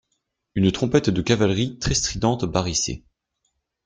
Une trompette de cavalerie très stridente barrissait.